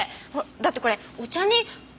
だってこれお茶にほら。